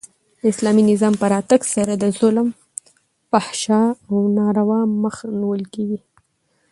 د اسلامي نظام په راتګ سره د ظلم، فحشا او ناروا مخ نیول کیږي.